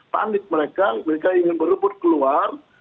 panik mereka mereka ingin berebut keluar